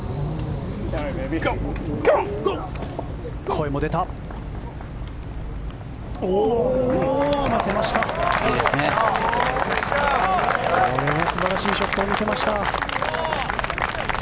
これは素晴らしいショットを見せました。